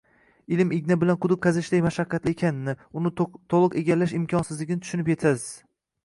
ilm igna bilan quduq qazishdek mashaqqatli ekanini, uni to‘liq egallash imkonsizligini tushunib yetasiz.